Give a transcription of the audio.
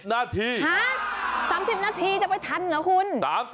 นาที๓๐นาทีจะไปทันเหรอคุณ